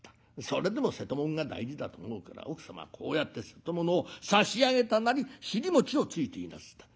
それでも瀬戸物が大事だと思うから奥様はこうやって瀬戸物を差し上げたなり尻餅をついていなすった。